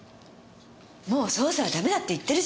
もう捜査はダメだって言ってるじゃない！